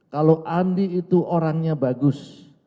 kalau andi itu orangnya bagus